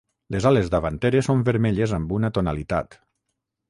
Les ales davanteres són vermelles amb una tonalitat.